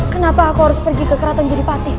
kenapa aku harus pergi ke keraton giripati